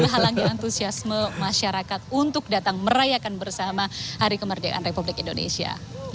menghalangi antusiasme masyarakat untuk datang merayakan bersama hari kemerdekaan republik indonesia